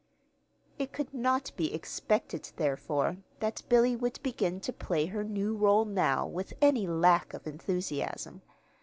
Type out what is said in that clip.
It could not be expected, therefore, that Billy would begin to play her new rôle now with any lack of enthusiasm.